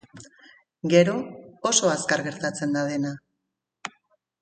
Gero, oso azkar gertatzen da dena.